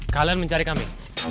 kalian mencari kami